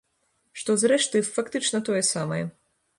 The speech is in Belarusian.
Што, зрэшты, фактычна тое самае.